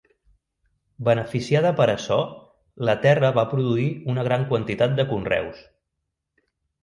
Beneficiada per açò, la terra va produir una gran quantitat de conreus.